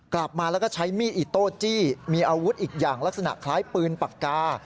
กลับมาแล้วก็ใช้มีดอิโต้จี้มีอาวุธอีกอย่างลักษณะคล้ายปืนปากกา